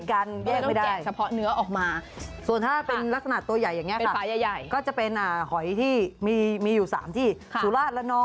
ก็คือจริงมันติดกัน